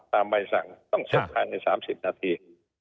ตามใบสั่งต้องเสียค่าใน๓๐นาที